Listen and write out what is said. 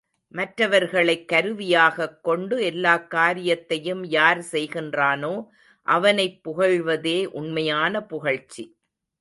மற்றவர்களைக் கருவியாகக் கொண்டு எல்லாக் காரியத்தையும் யார் செய்கின்றானோ அவனைப் புகழ்வதே உண்மையான புகழ்ச்சி.